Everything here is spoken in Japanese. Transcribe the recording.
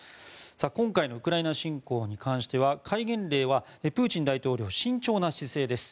今回のウクライナ侵攻に関しては戒厳令にはプーチン大統領慎重な姿勢です。